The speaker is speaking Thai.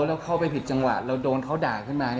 แล้วเข้าไปผิดจังหวะเราโดนเขาด่าขึ้นมา